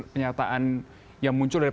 pernyataan yang muncul dari